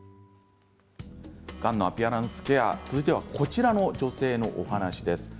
がんのアピアランスケア続いてはこちらの女性の話です。